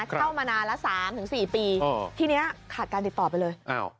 เข้ามานานละ๓๔ปีทีนี้ขาดการติดต่อไปเลย